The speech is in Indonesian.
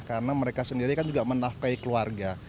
karena mereka sendiri kan juga menafkai keluarga